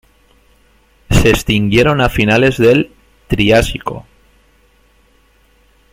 Se extinguieron a finales del Triásico.